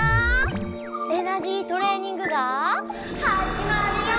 エナジートレーニングがはじまるよ！